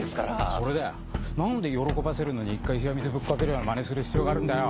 それだよ何で喜ばせるのに一回冷や水ぶっ掛けるようなまねする必要があるんだよ？